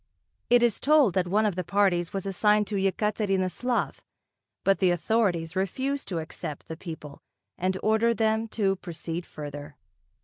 It is told that one of the parties was assigned to Yekaterinoslav, but the authorities refused to accept the people and ordered them to proceed further.